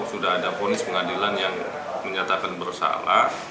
atau sudah ada ponis pengadilan yang berpengaruh